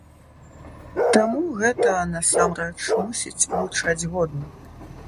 Таму гэта, насамрэч, мусіць гучаць годна.